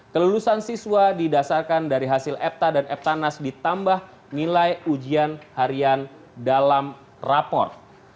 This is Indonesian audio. kelulusan siswa didasarkan dari hasil epta dan eptanas ditambah nilai ujian harian dalam rapor